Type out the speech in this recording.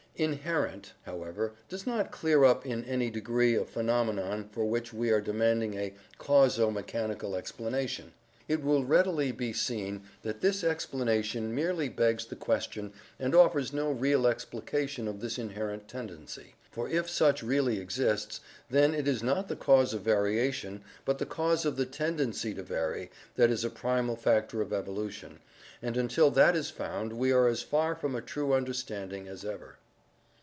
— "Inherent," however, does not clear up in any degree a phenomenon for which we are demanding a causo me chanical explanation. It will readily be seen that this explanation merely begs the question and offers no real explication of this inherent tendency, for if such really exists, then it is not the cause of variation but the cause of the tendency to vary that is a primal factor of evolution, and until that is found we are as far from a true understanding as ever.